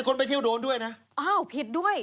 ไปเที่ยวโดนด้วยนะอ้าวผิดด้วย